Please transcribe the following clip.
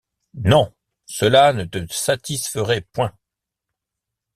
Non! cela ne te satisferait point.